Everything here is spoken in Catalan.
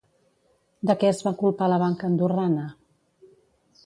De què es va culpar la banca andorrana?